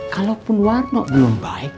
kalaupun warno belum baik